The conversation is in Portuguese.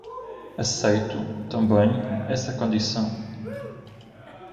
Aceito, também, essa condição.